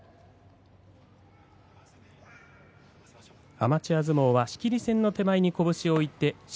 アマチュア相撲は仕切り線の手前に拳を置いてはっ